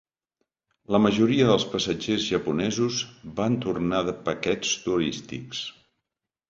La majoria dels passatgers japonesos van tornar de paquets turístics.